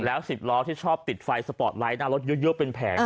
แล้วสิบล้อที่ชอบติดไฟสปอร์ตไลท์น่ารถเยอะเยอะเป็นแผงอ่า